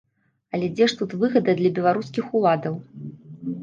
Але дзе ж тут выгада для беларускіх уладаў?